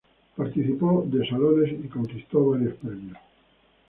Participó de salones, y conquistó varios premios.